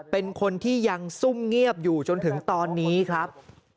เป็นคนที่ยังซุ่มเงียบอยู่จนถึงตอนนี้ครับ